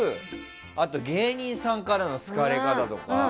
あと芸人さんからの好かれ方とか。